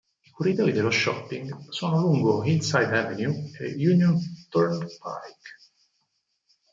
I corridoi dello shopping sono lungo "Hillside Avenue" e "Union Turnpike".